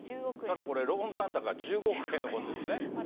ただこれ、ローン残高１５億円残ってるんですね。